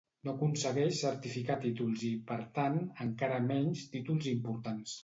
No aconsegueix certificar títols i, per tant, encara menys títols importants.